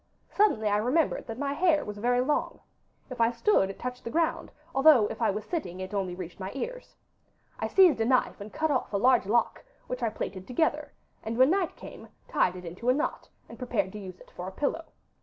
'Suddenly I remembered that my hair was very long. If I stood it touched the ground, although if I was sitting it only reached my ears. I seized a knife and cut off a large lock, which I plaited together, and when night came tied it into a knot, and prepared to use it for a pillow.